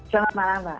selamat malam mbak